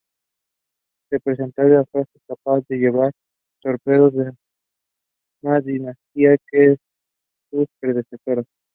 Se pretendía que fuese capaz de llevar torpedos a más distancia que sus predecesoras.